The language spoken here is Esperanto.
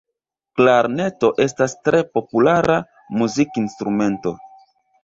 Klarneto estas tre populara muzikinstrumento.